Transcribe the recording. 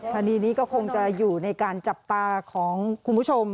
คดีนี้ก็คงจะอยู่ในการจับตาของคุณผู้ชม